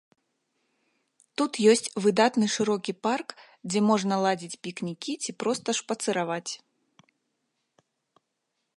Тут ёсць выдатны шырокі парк, дзе можна ладзіць пікнікі ці проста шпацыраваць.